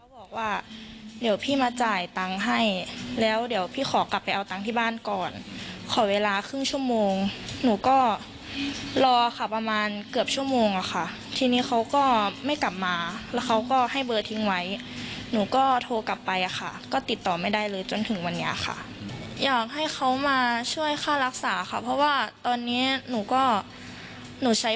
บอกว่าเดี๋ยวพี่มาจ่ายตังค์ให้แล้วเดี๋ยวพี่ขอกลับไปเอาตังค์ที่บ้านก่อนขอเวลาครึ่งชั่วโมงหนูก็รอค่ะประมาณเกือบชั่วโมงอะค่ะทีนี้เขาก็ไม่กลับมาแล้วเขาก็ให้เบอร์ทิ้งไว้หนูก็โทรกลับไปอ่ะค่ะก็ติดต่อไม่ได้เลยจนถึงวันนี้ค่ะอยากให้เขามาช่วยค่ารักษาค่ะเพราะว่าตอนเนี้ยหนูก็หนูใช้